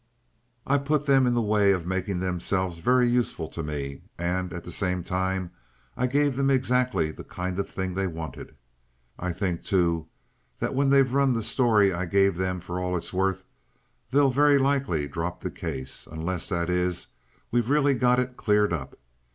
"I put them in the way of making themselves very useful to me, and, at the same time, I gave them exactly the kind of thing they wanted. I think, too, that when they've run the story I gave them for all it's worth, they'll very likely drop the case unless, that is, we've really got it cleared up.